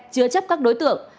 chứa chấp các đối tượng